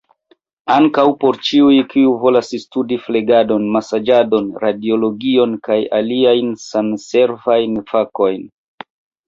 Ankaŭ por ĉiuj kiuj volas studi flegadon, masaĝadon, radiologion, kaj aliajn sanservajn fakojn.